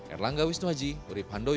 erlangga wisnuhaji urib handong